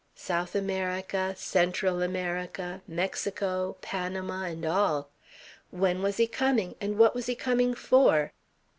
South America, Central America, Mexico, Panama "and all." When was he coming and what was he coming for?